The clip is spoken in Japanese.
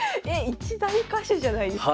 一大歌手じゃないですか。